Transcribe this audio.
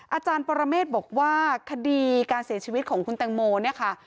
อาจารย์ปรเมฆบอกว่าคดีการเสียชีวิตของคุณแตงโมเนี่ยค่ะ